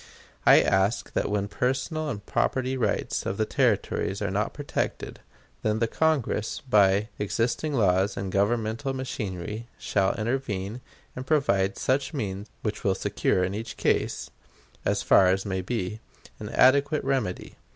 I ask that when personal and property rights in the Territories are not protected, then the Congress, by existing laws and governmental machinery, shall intervene and provide such means as will secure in each case, as far as may be, an adequate remedy.